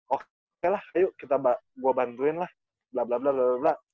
oke lah ayo gue bantuin lah blah blah blah